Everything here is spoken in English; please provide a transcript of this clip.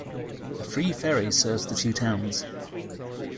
A free ferry serves the two towns.